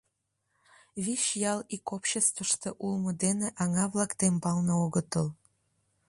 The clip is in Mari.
Вич ял ик обществыште улмо дене аҥа-влак тембалне огытыл.